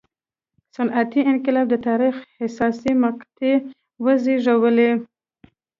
صنعتي انقلاب د تاریخ حساسې مقطعې وزېږولې.